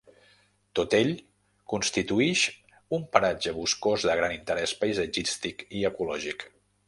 Tot ell constituïx un paratge boscós de gran interès paisatgístic i ecològic.